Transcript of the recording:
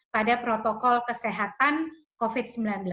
pada protokol kesehatan covid sembilan belas